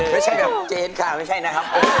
ไม่ใช่แบบเจนค่ะไม่ใช่นะครับ